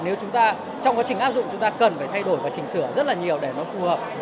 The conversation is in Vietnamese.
nếu chúng ta trong quá trình áp dụng chúng ta cần phải thay đổi và chỉnh sửa rất là nhiều để nó phù hợp